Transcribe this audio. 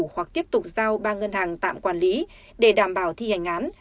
hoặc tiếp tục giao ba ngân hàng tạm quản lý để đảm bảo thi hành án